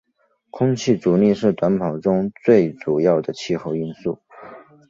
空气阻力是短跑中最主要的气候因素。